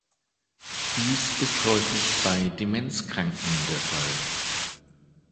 Dies ist häufig bei Demenzkranken der Fall.